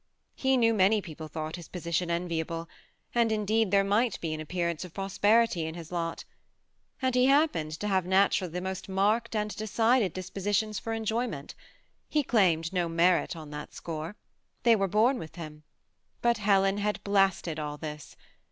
He knew manj people thought his position enviable, and, indeed, there might be an appearance of prosperity in his lot And he happened to have naturally the most marked and decided dispositions for enjoyment : he claimed no merit on that score, — they were bom with him; but Helean had blasted all this.